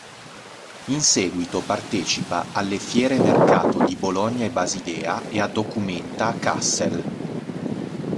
In seguito partecipa alle fiere-mercato di Bologna e Basilea e a documenta a Kassel.